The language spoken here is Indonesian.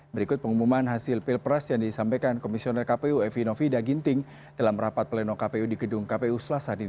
berikut pengumuman hasil pilpres yang disampaikan komisioner kpu evi novida ginting dalam rapat pleno kpu di gedung kpu selasa ini